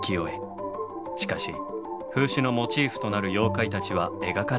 しかし風刺のモチーフとなる妖怪たちは描かれていません。